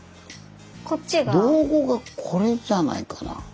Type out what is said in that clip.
道後がこれじゃないかな。